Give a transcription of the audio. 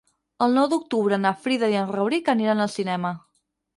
El nou d'octubre na Frida i en Rauric aniran al cinema.